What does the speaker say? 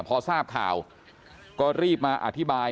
พอทราบข่าวก็รีบมาอธิบาย